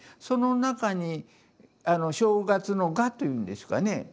その中に正月の「賀」というんですかね